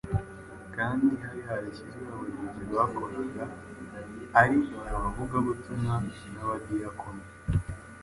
kandi hari harashyizweho abayobozi bakoraga ari abavugabutumwa n’abadiyakoni.